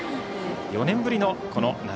４年ぶりの夏